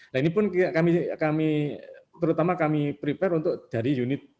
nah ini pun kami terutama kami prepare untuk jadi unit